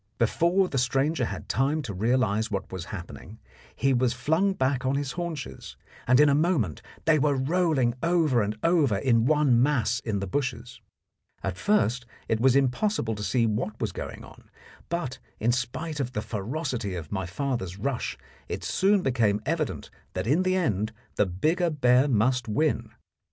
Before the stranger had time to realize what was happening, he was flung back on his haunches, and in a moment they were rolling over and over in one mass in the bushes. At first it was impossible to see what was going on, but, in spite of the ferocity of my father's rush, it soon became evident that in the end the bigger bear must win.